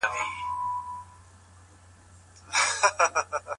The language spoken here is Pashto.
مثبت فکر مو د ژوند د هدف په لور هڅوي.